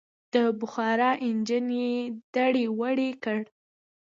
د بخار انجن یې دړې وړې کړ.